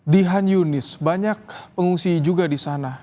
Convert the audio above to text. di han yunis banyak pengungsi juga di sana